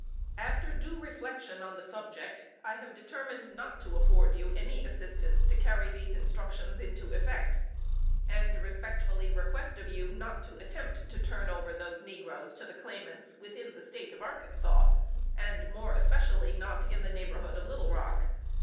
After due reflection on the subject, I have determined not to afford you any assistance to carry these instructions into effect, and respectfully request of you not to attempt to turn over those negroes to the claimants within the State of Arkansas, and more especially in the neighborhood of Little Rock.